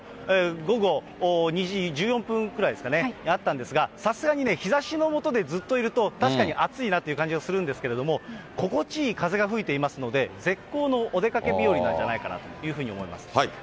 午後２時１４分くらいですかね、あったんですが、さすがにね、日ざしの下でずっといると、確かに暑いなという感じはするんですけれども、心地いい風が吹いておりますので、絶好のお出かけ日和なんじゃないかなというふうに思います。